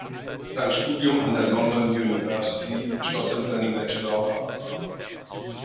Sein Studium an der London University schloss er mit einem Bachelor of Arts ab.